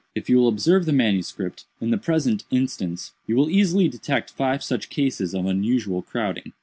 If you will observe the MS., in the present instance, you will easily detect five such cases of unusual crowding.